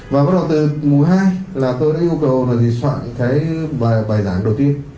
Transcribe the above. và bắt đầu từ mùa hai là tôi đã yêu cầu là vì soạn cái bài giảng đầu tiên